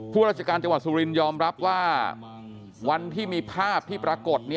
ราชการจังหวัดสุรินยอมรับว่าวันที่มีภาพที่ปรากฏ